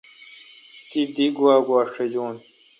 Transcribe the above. تی دی گوا گوا شجون۔